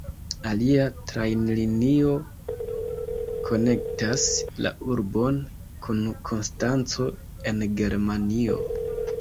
Alia trajnlinio konektas la urbon kun Konstanco en Germanio.